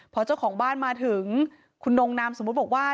พอเจ้าของบ้านมาถึงคุณนงนามสมมุติบอกว่า